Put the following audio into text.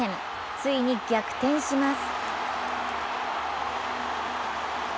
ついに逆転します。